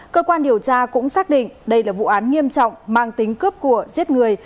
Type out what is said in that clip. cơ quan điều tra cũng xác định đây là vụ án nghiêm trọng mang tính cướp của giết người